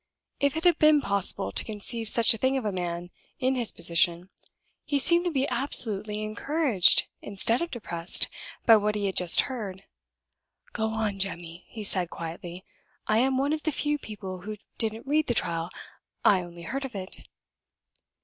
If it had been possible to conceive such a thing of a man in his position, he seemed to be absolutely encouraged instead of depressed by what he had just heard. "Go on, Jemmy," he said, quietly; "I am one of the few people who didn't read the trial; I only heard of it."